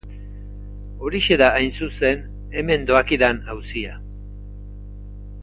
Horixe da hain zuzen hemen doakidan auzia.